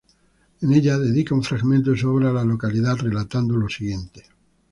En ella dedica un fragmento de su obra a la localidad, relatando lo siguiente.